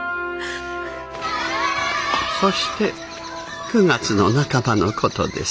そして９月の半ばの事です。